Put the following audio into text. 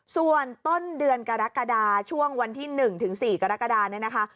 ส่วนต้นเดือนกรกฎาช่วงวันที่๑ถึง๔กรกฎาเนี่ยนะคะ